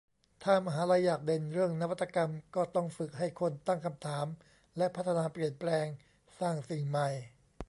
ถ้ามหาลัยอยากเด่นเรื่องนวัตกรรม ก็ต้องฝึกให้คนตั้งคำถาม และพัฒนาเปลี่ยนแปลงสร้างสิ่งใหม่